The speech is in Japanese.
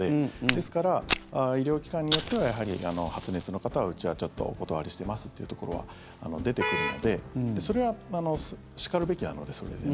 ですから、医療機関によってはやはり発熱の方はうちはちょっとお断りしてますっていうところは出てくるのでそれはしかるべきなのでそれで。